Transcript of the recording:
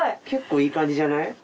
結構いい感じじゃない？